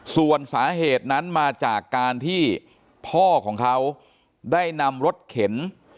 ส่วนสาเหตุนั้นมาจากการที่พ่อของเขาได้นำรถเข็น